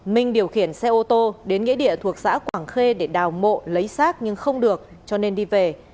minh điều khiển xe ô tô đến nghĩa địa thuộc xã quảng khê để đào mộ lấy xác nhưng không được cho nên đi về